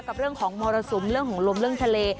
กับเรื่องของมรสุมเรื่องของลมเรื่องทะเล